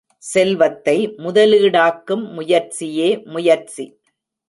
செல்வத்தை முதலீடாக்கும் முயற்சியே முயற்சி.